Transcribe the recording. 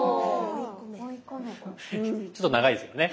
ちょっと長いですけどね。